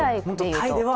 タイでは。